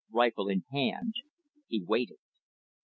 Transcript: Rifle in hand, he waited.